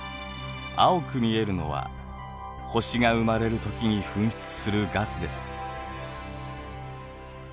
青く見えるのは星が生まれるときに噴出するガスです。